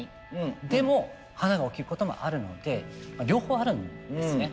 でも華が起きることもあるので両方あるんですね。